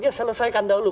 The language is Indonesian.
ya selesaikan dahulu